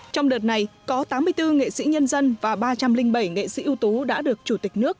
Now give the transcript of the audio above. trong đợt này có tám mươi bốn nghệ sĩ nhân dân và ba trăm linh bảy nghệ sĩ ưu tú đã được chủ tịch nước